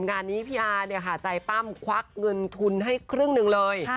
งานนี้พี่อาเนี่ยค่ะใจปั้มควักเงินทุนให้ครึ่งหนึ่งเลย